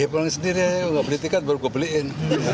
iya pulang sendiri aja gak beli tiket baru gue beliin